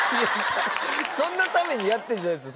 そんなためにやってるんじゃないです。